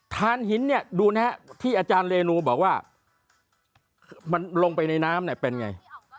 ฐานหินเนี่ยดูนะฮะที่อาจารย์เรนูบอกว่ามันลงไปในน้ำเนี่ยเป็นไง